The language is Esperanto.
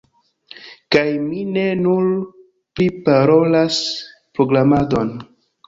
Kaj mi ne nur priparolas programadon